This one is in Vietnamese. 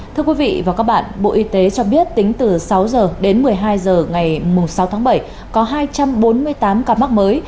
thưa quý vị và các bạn bộ y tế cho biết tính từ sáu h đến một mươi hai h ngày sáu tháng bảy có hai trăm bốn mươi tám ca mắc mới